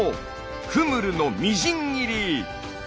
フムルのみじん切り！